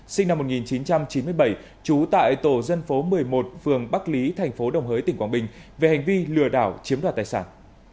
sinh năm một nghìn chín trăm chín mươi bảy trú tại tổ dân phố một mươi một phường bắc lý thành phố đồng hới tỉnh quảng bình về hành vi lừa đảo chiếm đoạt tài sản